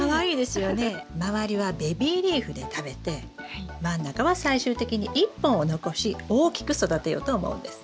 周りはベビーリーフで食べて真ん中は最終的に１本を残し大きく育てようと思うんです。